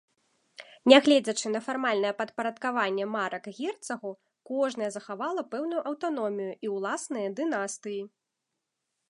Нягледзячы на фармальнае падпарадкаванне марак герцагу, кожная захавала пэўную аўтаномію і ўласныя дынастыі.